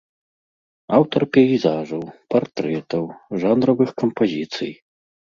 Аўтар пейзажаў, партрэтаў, жанравых кампазіцый.